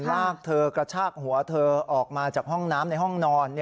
ลากเธอกระชากหัวเธอออกมาจากห้องน้ำในห้องนอน